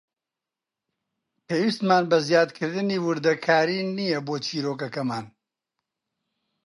پێویستمان بە زیادکردنی وردەکاری نییە بۆ چیرۆکەکەمان.